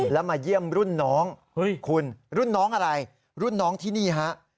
แล้วมาเยี่ยมรุ่นน้องคุณรุ่นน้องอะไรรุ่นน้องที่นี่ฮะ